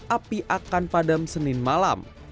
api akan padam senin malam